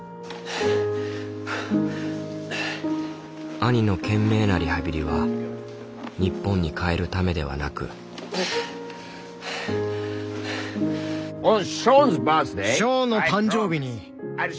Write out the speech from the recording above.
兄の懸命なリハビリは日本に帰るためではなくイ！